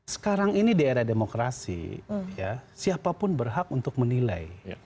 sekarang ini di era demokrasi siapapun berhak untuk menilai